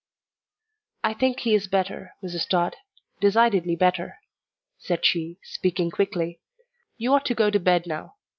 "I think he is better, Mrs. Tod decidedly better," said she, speaking quickly. "You ought to go to bed now.